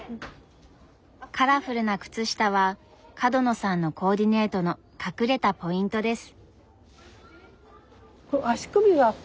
カラフルな靴下は角野さんのコーディネートの隠れたポイントです。